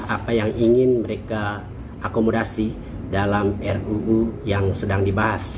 apa yang ingin mereka akomodasi dalam ruu yang sedang dibahas